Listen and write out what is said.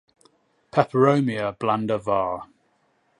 Peperomia blanda var.